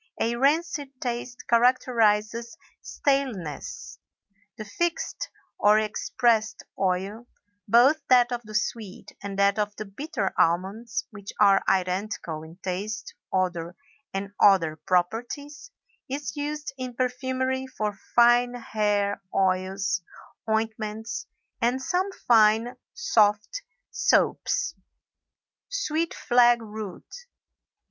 A rancid taste characterizes staleness. The fixed or expressed oil, both that of the sweet and that of the bitter almonds (which are identical in taste, odor, and other properties), is used in perfumery for fine hair oils, ointments, and some fine soft soaps. SWEET FLAG ROOT.